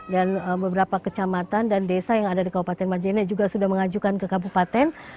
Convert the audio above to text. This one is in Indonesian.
dan beberapa kecamatan dan desa yang ada di kabupaten majene juga sudah mengajukan ke kabupaten